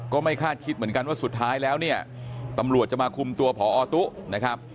ก็ไม่คาดคิดเหมือนกันว่าสุดท้ายแล้วเนี่ยตำรวจจะมาคุมตัวพอตุนะครับ